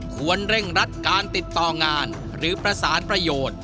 ควรเร่งรัดการติดต่องานหรือประสานประโยชน์